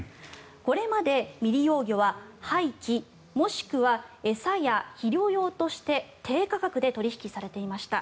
これまで未利用魚は廃棄もしくは餌や肥料用として低価格で取引されていました。